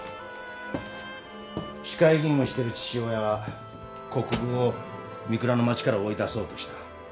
市会議員をしている父親は国府を御倉の町から追い出そうとした。